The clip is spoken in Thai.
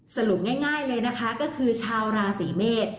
สรุปง่ายเลยนะคะก็คือชาวราศีเมษ